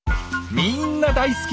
みんな大好き！